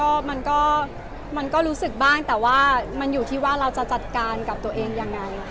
ถามว่าน้อยไหมมันก็รู้สึกบ้างแต่ว่ามันอยู่ที่ว่าเราจะจัดการกับตัวเองยังไงค่ะ